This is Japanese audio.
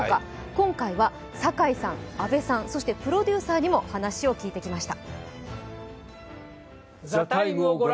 今回は堺さん、阿部さん、そしてプロデューサーにも話を聞いてきました。